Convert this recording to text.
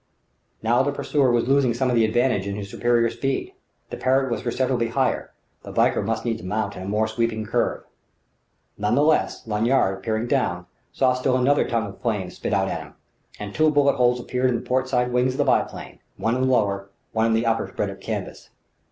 Now the pursuer was losing some of the advantage of his superior speed; the Parrott was perceptibly higher; the Valkyr must needs mount in a more sweeping curve. None the less, Lanyard, peering down, saw still another tongue of flame spit out at him; and two bullet holes appeared in the port side wings of the biplane, one in the lower, one in the upper spread of canvas.